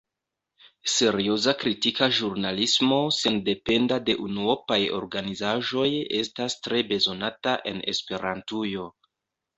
Serioza kritika ĵurnalismo, sendependa de unuopaj organizaĵoj, estas tre bezonata en Esperantujo.